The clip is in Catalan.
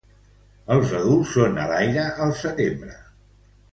Els adults són a l'aire al setembre.